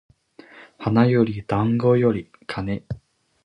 花より団子より金